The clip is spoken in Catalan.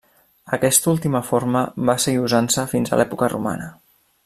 Aquesta última forma va seguir usant-se fins a l'època romana.